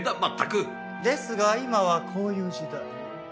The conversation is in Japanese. ですが今はこういう時代。